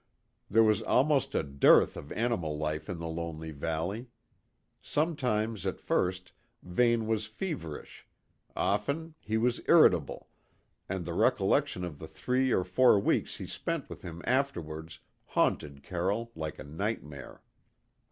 There was almost a dearth of animal life in the lonely valley. Sometimes at first, Vane was feverish; often he was irritable, and the recollection of the three or four weeks he spent with him afterwards haunted Carroll like a nightmare.